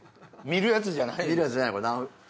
見るやつじゃないの？